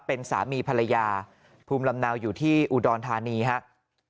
เป็นสามีภรรยาภูมิลำเนาอยู่ที่อุดรธานีครับ